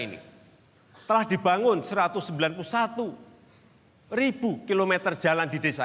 ini telah dibangun satu ratus sembilan puluh satu ribu kilometer jalan di desa